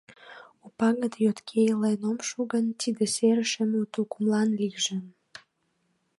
У пагыт йотке илен ом шу гын, тиде серышем у тукымлан лийже.